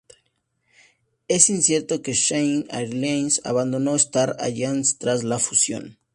Es incierto que Shanghai Airlines abandone Star Alliance tras la fusión.